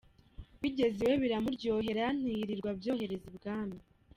Bigeze iwe biramuryoha ntiyirirwa abyohereza i Bwami.